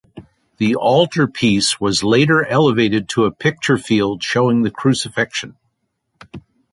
The altarpiece was later elevated to a picture field showing the Crucifixion.